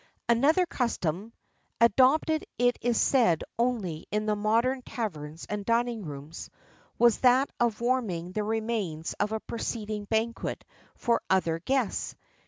Another custom (adopted it is said only in the modern taverns and dining rooms) was that of warming the remains of a preceding banquet for other guests.